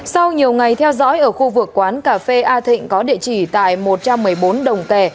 sau nhiều ngày theo dõi ở khu vực quán cà phê a thịnh có địa chỉ tại một trăm một mươi bốn đồng tè